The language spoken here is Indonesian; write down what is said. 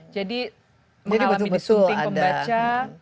jadi mengalami disunting pembaca